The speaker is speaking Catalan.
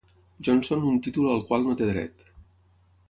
Johnson un títol al qual no té dret.